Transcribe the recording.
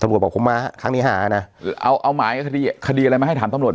บอกผมมาครั้งที่๕นะเอาเอาหมายคดีคดีอะไรมาให้ถามตำรวจ